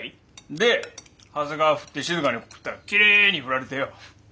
で長谷川ふって静に告ったらきれいにふられてよ。